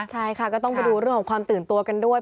ใช่ค่ะก็ต้องไปดูเรื่องของความตื่นตัวกันด้วย